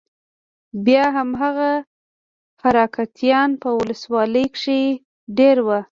بيا هماغه حرکتيان په ولسوالۍ کښې دېره وو.